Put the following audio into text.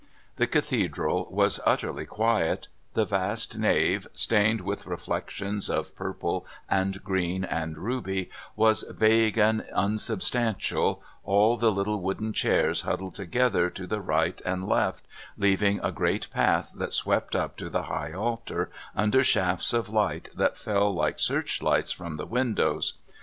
The Cathedral was utterly quiet. The vast nave, stained with reflections of purple and green and ruby, was vague and unsubstantial, all the little wooden chairs huddled together to the right and left, leaving a great path that swept up to the High Altar under shafts of light that fell like searchlights from the windows.